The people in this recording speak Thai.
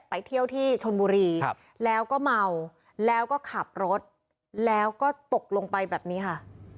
ไปเที่ยวที่ชนบุรีแล้วก็เมาแล้วก็ขับรถแล้วก็ตกลงไปแบบนี้ค่ะ